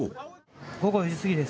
午後４時過ぎです。